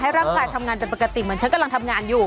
ร่างกายทำงานเป็นปกติเหมือนฉันกำลังทำงานอยู่